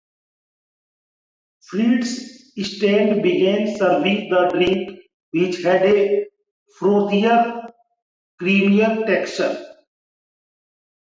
Freed's stand began serving the drink, which had a frothier, creamier texture.